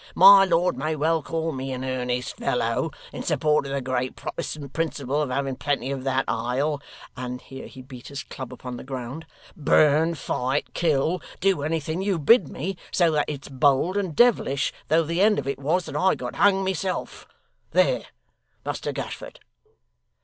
My lord may well call me an earnest fellow. In support of the great Protestant principle of having plenty of that, I'll,' and here he beat his club upon the ground, 'burn, fight, kill do anything you bid me, so that it's bold and devilish though the end of it was, that I got hung myself. There, Muster Gashford!